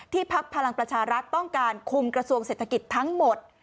พักพลังประชารัฐต้องการคุมกระทรวงเศรษฐกิจทั้งหมด